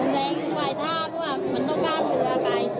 ลมแรงหลายท่าเพราะว่ามันต้องกล้ามเหนือไป